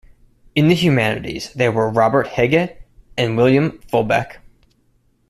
In the humanities there were Robert Hegge, and William Fulbecke.